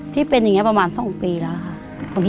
ที่เป็นอย่างนี้ประมาณ๒ปีแล้วค่ะ